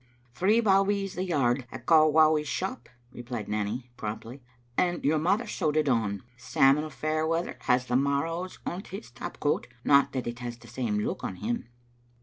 "Three bawbees the yard at Kyowowy's shop," re plied Nanny, promptly, " and your mother sewed it on. Sam'l Fairweather has the marrows o't on his top coat. No that it has the same look on him."